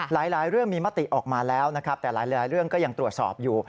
หลายเรื่องมีมติออกมาแล้วนะครับแต่หลายเรื่องก็ยังตรวจสอบอยู่